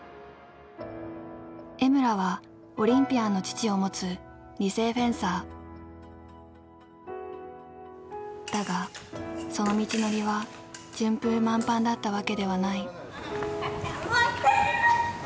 江村はオリンピアンの父を持つだがその道のりは順風満帆だったわけではない。